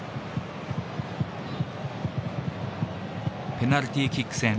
ペナルティーキック戦。